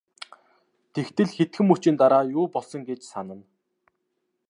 Тэгтэл хэдхэн мөчийн дараа юу болсон гэж санана.